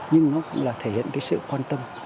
nhưng nó cũng là thể hiện sự quan tâm